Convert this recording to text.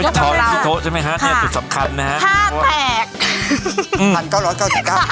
ยกไปใช่ไหมคะค่ะเนี้ยสุดสำคัญนะฮะห้าแผกอืมอันเก้าร้อยเก้าสิบเก้า